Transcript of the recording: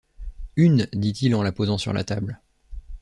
Une, dit-il, en la posant sur la table.